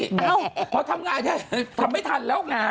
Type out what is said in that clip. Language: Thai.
เพราะทำงานทำไม่ทันแล้วกัน